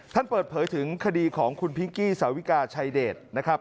ท่านเปิดเผยถึงคดีของคุณพิงกี้สาวิกาชัยเดชนะครับ